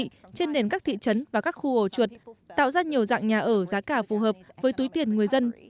họ đã xây dựng một siêu đô thị trên nền các thị trấn và các khu ổ chuột tạo ra nhiều dạng nhà ở giá cả phù hợp với túi tiền người dân